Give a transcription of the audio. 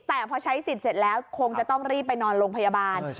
แต่พอใช้สิทธิ์เสร็จแล้วคงจะต้องรีบไปนอนโรงพยาบาล